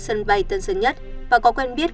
sân bay tân dân nhất và có quen biết